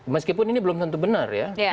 meskipun ini belum tentu benar ya